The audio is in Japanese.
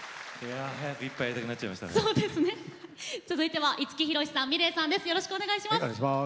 続いては五木ひろしさんとｍｉｌｅｔさんです。